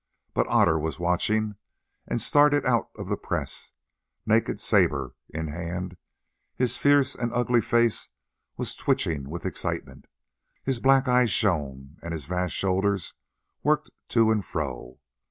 But Otter was watching and started out of the press, naked sabre in hand: his fierce and ugly face was twitching with excitement, his black eyes shone, and his vast shoulders worked to and fro.